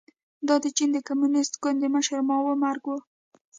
دا د چین د کمونېست ګوند د مشر ماوو مرګ و.